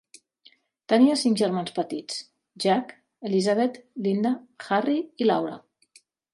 Tenia cinc germans petits; Jack, Elizabeth, Linda, Harry i Laura.